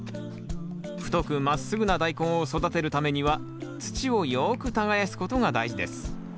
太くまっすぐなダイコンを育てるためには土をよく耕すことが大事です。